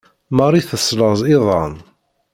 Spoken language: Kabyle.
Marie teslaẓ iḍan.